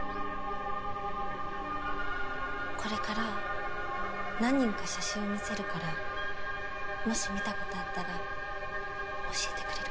これから何人か写真を見せるからもし見た事あったら教えてくれるかな？